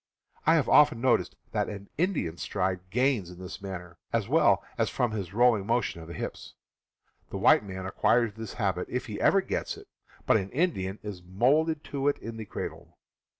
I have often noticed that an Indian's stride gains in this manner, as well as from his rolling motion on the hips. The white man acquires this habit, if he ever gets it, but an Indian is molded to it in the cradle.